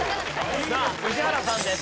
さあ宇治原さんです